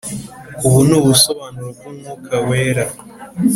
Ubu ni ubusobanuro bw'Umwuka Wera